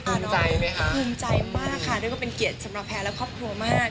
น้อยใจไหมคะภูมิใจมากค่ะเรียกว่าเป็นเกียรติสำหรับแพ้และครอบครัวมาก